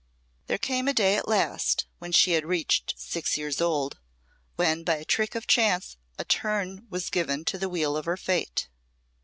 There came a day at last when she had reached six years old, when by a trick of chance a turn was given to the wheel of her fate.